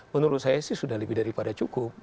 menurut saya sih sudah lebih daripada cukup